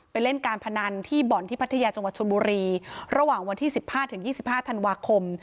เป็นเล่นการพนันที่บ่อนที่พัทยาจังหวัดชนบุรีระหว่างวันที่สิบห้าถึงยี่สิบห้าธันวาคม